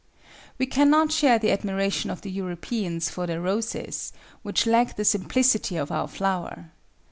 We cannot share the admiration of the Europeans for their roses, which lack the simplicity of our flower.